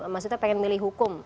maksudnya pengen milih hukum